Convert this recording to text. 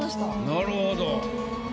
なるほど。